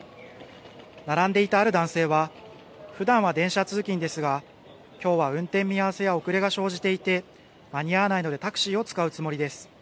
並んでいたある男性は、ふだんは電車通勤ですがきょうは運転見合わせや遅れが生じていて間に合わないのでタクシーを使うつもりです。